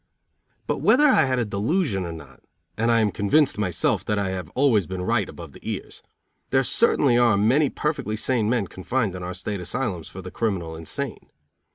But whether I had a delusion or not and I am convinced myself that I have always been right above the ears there certainly are many perfectly sane men confined in our state asylums for the criminal insane.